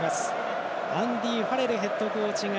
アンディ・ファレルヘッドコーチ